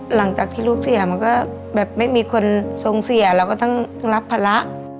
หลังจากที่ลูกเสียมันก็แบบไม่มีคนทรงเสียเราก็ต้องรับภาระ